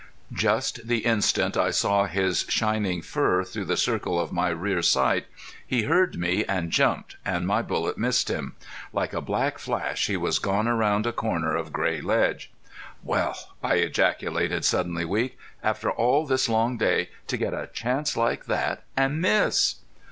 Just the instant I saw his shining fur through the circle of my rear sight he heard me and jumped, and my bullet missed him. Like a black flash he was gone around a corner of gray ledge. "Well!" I ejaculated, suddenly weak. "After all this long day to get a chance like that and miss!"